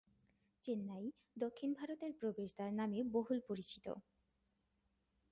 চেন্নাই "দক্ষিণ ভারতের প্রবেশদ্বার" নামে বহুল পরিচিত।